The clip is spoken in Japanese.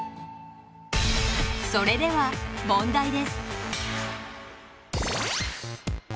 それでは問題です。